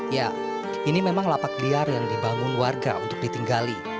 ya ini memang lapak liar yang dibangun warga untuk ditinggali